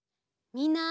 みんな！